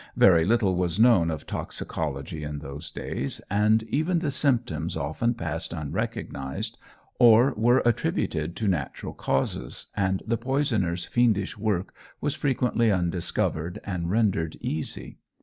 Very little was known of toxicology in those days, and even the symptoms often passed unrecognised or were attributed to natural causes, and the poisoners' fiendish work was frequently undiscovered and rendered easy.